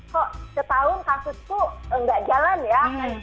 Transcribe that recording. kok setahun kasusku nggak jalan ya